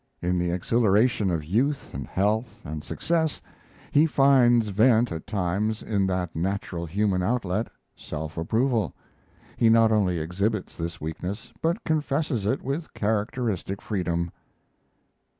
In the exhilaration of youth and health and success he finds vent at times in that natural human outlet, self approval. He not only exhibits this weakness, but confesses it with characteristic freedom.